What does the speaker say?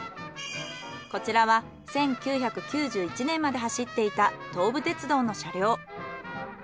こちらは１９９１年まで走っていた東武鉄道の車両。